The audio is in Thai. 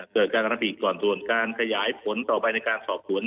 เกิดการกระทำผิดก่อนส่วนการขยายผลต่อไปในการสอบสวน